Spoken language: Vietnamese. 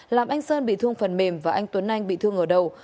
làm anh sơn bị thương phần mềm và anh tuấn anh bị thương ở đầu